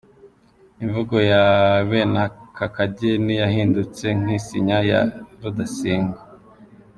Imvugo ya benakakageni yahindutse nk’isinya ya Rudasingwa.